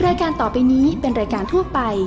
รายการต่อไปนี้เป็นรายการทั่วไป